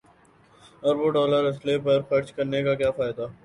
اربوں ڈالر اسلحے پر خرچ کرنے کا کیا فائدہ